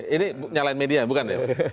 ini nyalain media bukan ya